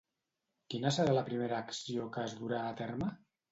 Quina serà la primera acció que es durà a terme?